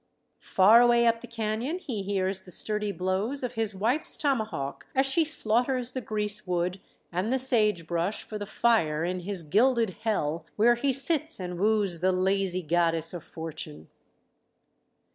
Far away up the canyon he hears the sturdy blows of his wife's tomahawk as she slaughters the grease wood and the sage brush for the fire in his gilded hell where he sits and woos the lazy Goddess of Fortune.